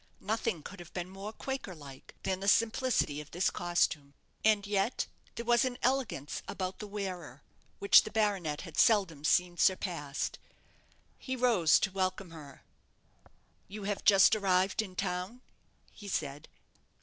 Nothing could have been more Quaker like than the simplicity of this costume, and yet there was an elegance about the wearer which the baronet had seldom seen surpassed. He rose to welcome her. "You have just arrived in town?" he said.